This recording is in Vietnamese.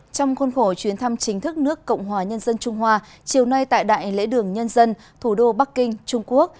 trong khuôn khổ chuyến thăm chính thức nước cộng hòa nhân dân trung hoa chiều nay tại đại lễ đường nhân dân thủ đô bắc kinh trung quốc